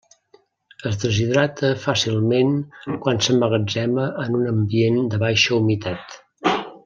Es deshidrata fàcilment quan s'emmagatzema en un ambient de baixa humitat.